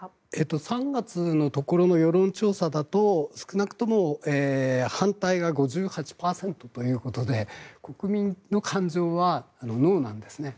３月の世論調査だと少なくとも反対が５８％ということで国民の感情はノーなんですね。